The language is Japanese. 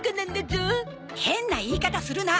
変な言い方するな！